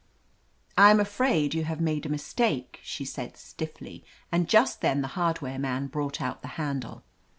"I am afraid you have made a mistake," she said stiffly, and just then the hardware man brought out the handle.